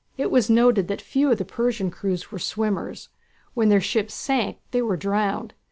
It was noted that few of the Persian crews were swimmers. When their ships sank they were drowned.